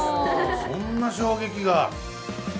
そんな衝撃が。